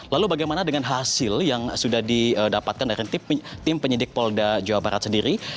lalu bagaimana dengan hasil yang sudah didapatkan dari tim penyidik polda jawa barat sendiri